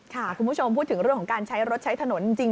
คุณผู้ชมพูดถึงเรื่องของการใช้รถใช้ถนนจริง